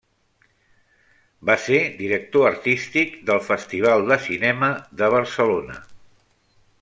Va ser director artístic del Festival de Cinema de Barcelona.